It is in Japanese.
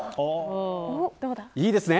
いいですね。